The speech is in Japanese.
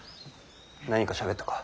何かしゃべったか？